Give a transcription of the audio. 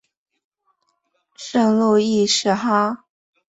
圣路易士哈！